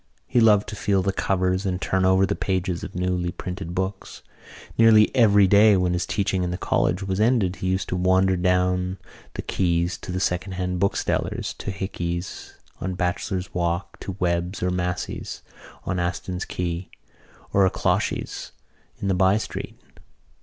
He loved to feel the covers and turn over the pages of newly printed books. Nearly every day when his teaching in the college was ended he used to wander down the quays to the second hand booksellers, to Hickey's on Bachelor's Walk, to Webb's or Massey's on Aston's Quay, or to O'Clohissey's in the by street.